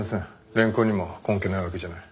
連行にも根拠ないわけじゃない。